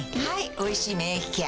「おいしい免疫ケア」